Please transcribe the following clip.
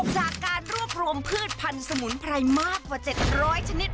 จากการรวบรวมพืชพันธุ์สมุนไพรมากกว่า๗๐๐ชนิด